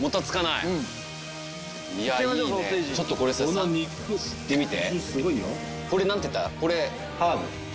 いってみて。